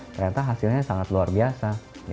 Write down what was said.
ternyata hasilnya sangat luar biasa